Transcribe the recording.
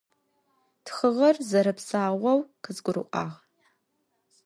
Тхыгъэр зэрэпсаоу къызгурыӏуагъ.